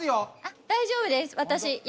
大丈夫です。